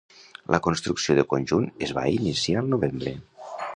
La construcció de conjunt es va iniciar al novembre.